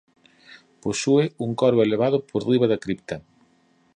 Posúe un coro elevado por riba da cripta.